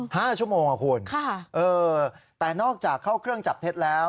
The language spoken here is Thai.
ห้าชั่วโมงอ่ะคุณค่ะเออแต่นอกจากเข้าเครื่องจับเท็จแล้ว